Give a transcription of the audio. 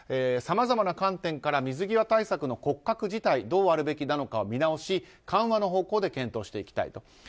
さまざまな観点から水際対策の骨格自体どうあるべきなのかを見直し緩和の方向で検討していきたいと。